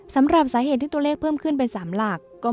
สำหรับสาเหตุที่ตัวเลขเพิ่มขึ้นเป็น๓หลัก